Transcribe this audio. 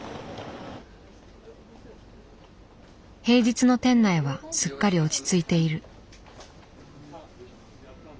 平日の店内はすっかり落ち着いている。